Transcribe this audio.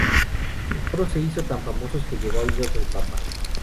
El coro se hizo tan famoso que llega a oídos del Papa.